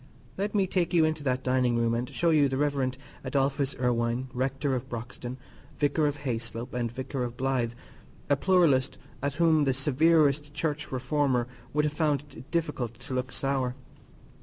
Let me take you into that dining room and show you the Rev. Adolphus Irwine, Rector of Broxton, Vicar of Hayslope, and Vicar of Blythe, a pluralist at whom the severest Church reformer would have found it difficult to look sour.